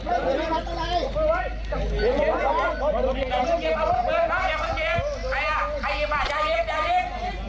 เจ้าหน้าที่จับกลุ่มตัวนายไพโรดหรือนายติ๊กอายุ๓๖ผู้ก่อเหตุ